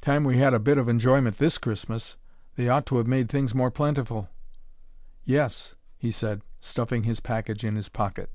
"Time we had a bit of enjoyment, THIS Christmas. They ought to have made things more plentiful." "Yes," he said, stuffing his package in his pocket.